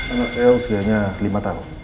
anak saya usianya lima tahun